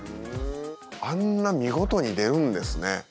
あんな見事に出るんですね。